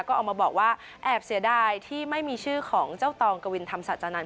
ก็ออกมาบอกว่าแอบเสียดายที่ไม่มีชื่อของเจ้าตองกวินธรรมศาจานันท